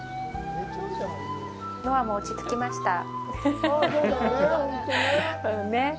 ノアも落ちつきました。ね？